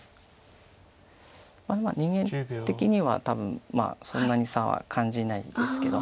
人間的には多分そんなに差は感じないんですけど。